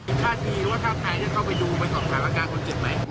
คิดว่าถ้าใครจะเข้าไปดูไม่สอบถ่ายอาการคนเจ็บไหม